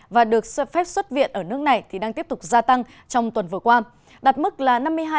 và được phép xuất viện ở nước này thì đang tiếp tục gia tăng trong tuần vừa qua đạt mức là năm mươi hai